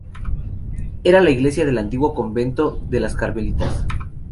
Era la iglesia del antiguo convento de las carmelitas.